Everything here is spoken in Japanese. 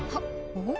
おっ！